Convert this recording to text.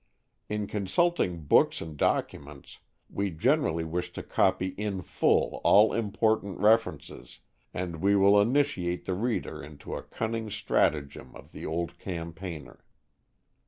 In consulting books and documents we generally wish to copy in full all important references, and we will initiate the reader into a cunning stratagem of the old campaigner.